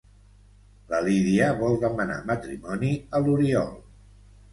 La Lídia vol demanar matrimoni a l'Oriol.